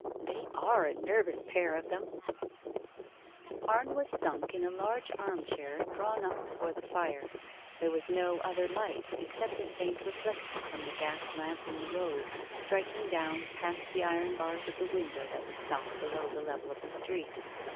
They are a nervous pair of them !" Arne was sunk in a large arm chair drawn up before the fire. There was no other light, except a faint reflec tion from the gas lamp in the road, striking down past the iron bars of the window that was sunk below the level of the street.